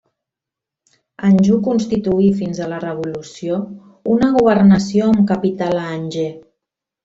Anjou constituí fins a la Revolució una governació amb capital a Angers.